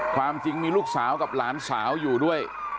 ความจริงมีลูกสาวกับหลานสาวอยู่ด้วย